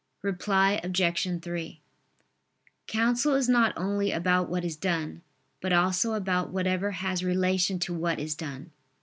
Reply Obj. 3: Counsel is not only about what is done, but also about whatever has relation to what is done.